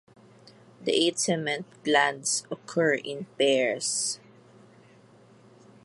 The eight cement glands occur in pairs.